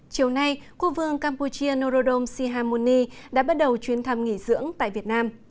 chiều nay quốc vương campuchia norodom sihamoni đã bắt đầu chuyến thăm nghỉ dưỡng tại việt nam